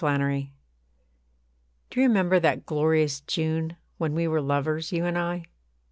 I WONDER WHY Do you remember that glorious June When we were lovers, you and I?